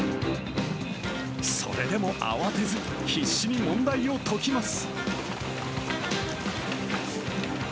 それでも慌てず、必死に問題を解きます。